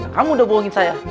kamu udah bohongin saya